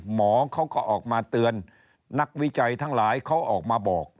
หมอเขาก็ออกมาเตือนนักวิจัยทั้งหลายเขาออกมาบอก